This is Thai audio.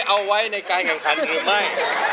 เอาไว้ในกายกำคัญหรือไม่